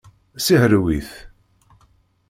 Sihrew-it.